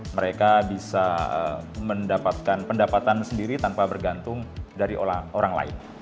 mereka bisa mendapatkan pendapatan sendiri tanpa bergantung dari orang lain